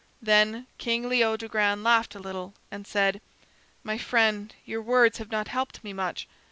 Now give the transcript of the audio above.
Then King Leodogran laughed a little and said: "My friend, your words have not helped me much.